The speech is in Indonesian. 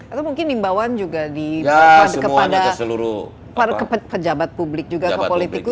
atau mungkin imbauan juga diberikan kepada pejabat publik juga ke politiku